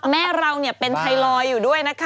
แม่เราเป็นไทรอยด์อยู่ด้วยนะคะ